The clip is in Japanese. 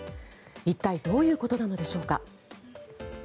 一体どういうことなのでしょうか。